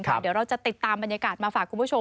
เดี๋ยวเราจะติดตามบรรยากาศมาฝากคุณผู้ชม